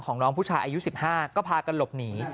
น้องผู้ชายอายุ๑๕ก็พากันหลบหนี